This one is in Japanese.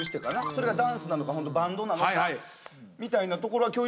それがダンスなのかホントバンドなのかみたいなところは共有したうえでかな。